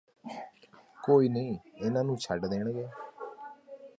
ਕੋਈ ਨਹੀਂ ਇਹਨਾਂ ਨੂੰ ਛੱਡ ਦੇਣਗੇ